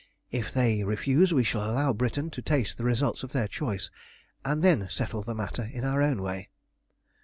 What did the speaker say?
If they refuse we shall allow Britain to taste the results of their choice, and then settle the matter in our own way."